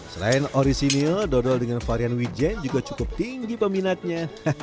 selain orisinil dodol dengan varian wijen juga cukup tinggi peminatnya